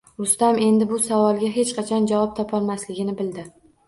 Rustam endi bu savollarga hech qachon javob topolmasligini bildi